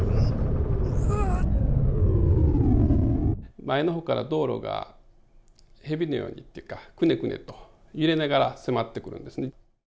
前の方から道路が蛇のようにというかくねくねと揺れながら迫ってくるんですね。